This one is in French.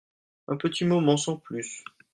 Un petit moment sans plus.